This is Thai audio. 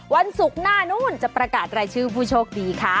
วันศุกร์หน้านู้นจะประกาศรายชื่อผู้โชคดีค่ะ